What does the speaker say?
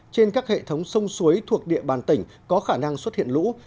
trên các hệ thống sông suối thuộc địa bàn tỉnh có khả năng xuất hiện lũ